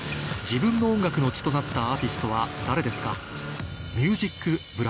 自分の音楽の血となったアーティストは誰ですか？